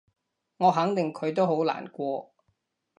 我肯定佢都好難過